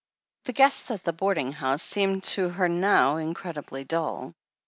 The guests at the boarding house seemed to her now incredibly dull.